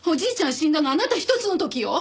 死んだのあなた１つの時よ。